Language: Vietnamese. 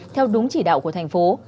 theo đúng chỉ đạo của thành phố